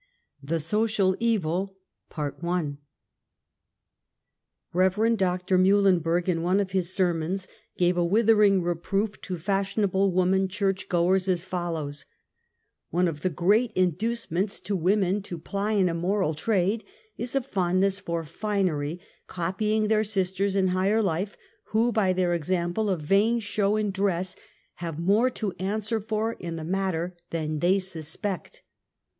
The Social Evil. Eev. Dr. Muhlenberg in one of his sermons, gave ii withering reproof to fashionable woman church goers as follows :— "One of the great inducements to ^women to ply an immoral trade, is a fondness for / fiiierj, copying their sisters in higher life, who, by { their example of vain show in dress, have more to answer for in the matter than they suspect.''